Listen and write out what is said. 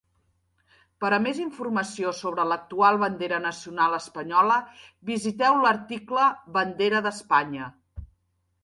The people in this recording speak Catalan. Per a més informació sobre l'actual bandera nacional espanyola, visiteu l'article Bandera d'Espanya.